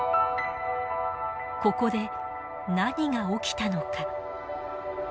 ここで何が起きたのか。